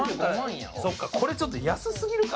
これちょっと安すぎるか？